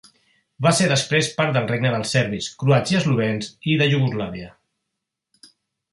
Va ser després part del regne dels Serbis, Croats i Eslovens i de Iugoslàvia.